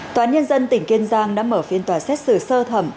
tổ chức nhân dân tỉnh kiên giang đã mở phiên tòa xét xử sơ thẩm